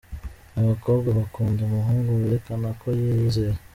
Abakobwa bakunda umuhungu werekana ko yiyizeye.